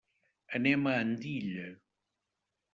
Anem a Andilla.